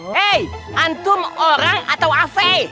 hei antum orang atau av